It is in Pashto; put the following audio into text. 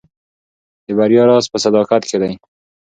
د بریا راز په صداقت کې دی.